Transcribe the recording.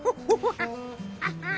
ハハハハ。